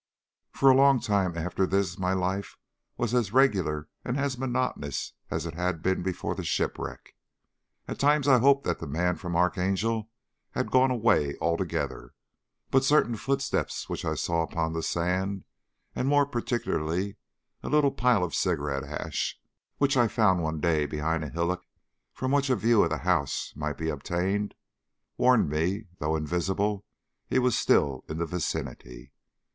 For a long time after this my life was as regular and as monotonous as it had been before the shipwreck. At times I hoped that the man from Archangel had gone away altogether, but certain footsteps which I saw upon the sand, and more particularly a little pile of cigarette ash which I found one day behind a hillock from which a view of the house might be obtained, warned me that, though invisible, he was still in the vicinity.